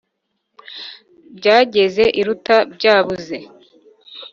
Byagaze iruta byabuze.